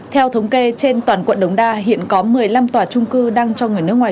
theo thống kê trên toàn quận đống đa hiện có một mươi năm tòa trung cư đang cho người nước ngoài